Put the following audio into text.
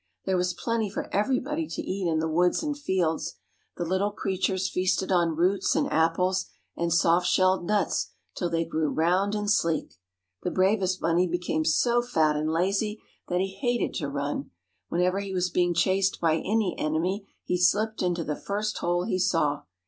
There was plenty for everybody to eat in the woods and fields. The little creatures feasted on roots and apples and soft shelled nuts till they grew round and sleek. The bravest bunny became so fat and lazy that he hated to run. Whenever he was being chased by any enemy he slipped into the first hole he saw.